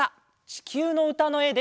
「地球の歌」のえです。